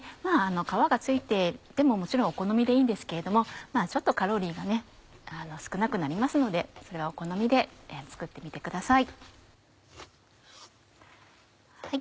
皮が付いていてももちろんお好みでいいんですけれどもちょっとカロリーが少なくなりますのでそれはお好みで作ってみてください。